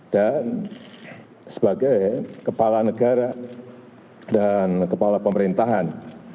dan sebagai kepala negara dan kepala pemerintahan